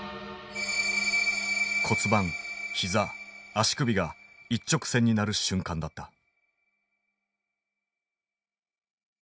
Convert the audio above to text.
骨盤ひざ足首が一直線になる瞬間だった。